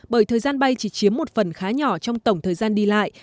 bởi thời gian bay chỉ chiếm một phần khá nhỏ trong tổng thời gian đi lại